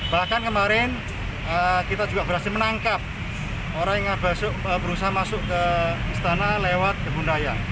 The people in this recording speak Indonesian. bahkan kemarin kita juga berhasil menangkap orang yang berusaha masuk ke istana lewat kebun raya